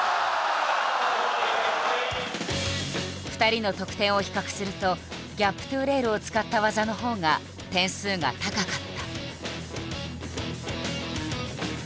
２人の得点を比較すると「ギャップｔｏレール」を使った技のほうが点数が高かった。